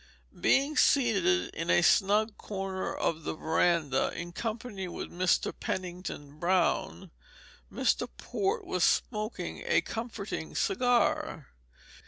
Being seated in a snug corner of the veranda in company with Mr. Pennington Brown, Mr. Port was smoking a comforting cigar.